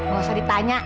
gak usah di tanya